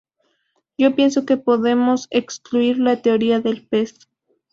Yo pienso que podemos excluir la teoría del pez".